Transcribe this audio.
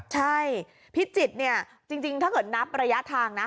ใช่พิจิตรเนี่ยจริงถ้าเกิดนับระยะทางนะ